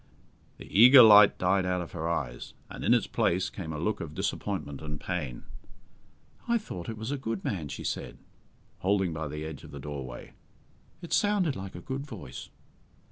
The eager light died out of her eyes, and in its place came a look of disappointment and pain. "I thought it was a good man," she said, holding by the edge of the doorway. "It sounded like a good voice."